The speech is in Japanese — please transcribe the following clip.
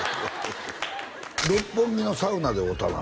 六本木のサウナで会うたな